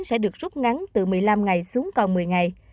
sẽ được rút ngắn từ một mươi năm ngày xuống còn một mươi ngày